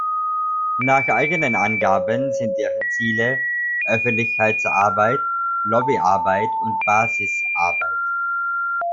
Nach eigenen Angaben sind deren Ziele „Öffentlichkeitsarbeit, Lobbyarbeit und Basisarbeit“.